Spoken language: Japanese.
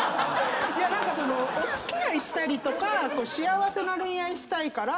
お付き合いしたりとか幸せな恋愛したいから。